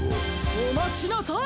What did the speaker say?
おまちなさい！